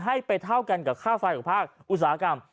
ให้ไปเท่ากันกับค่าไฟของภาคอุตสาหกรรม